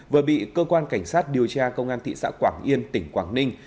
vừa bị cơ quan cảnh sát điều tra công an thị xã quảng yên tỉnh quảng ninh